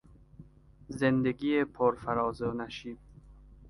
زندگی پرفراز و نشیب